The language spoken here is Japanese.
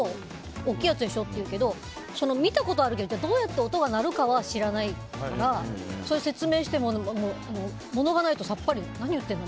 大きいやつでしょって言うけど見たことあるけどどうやって音が鳴るかは知らないから説明しても、物がないとさっぱり何言っているの？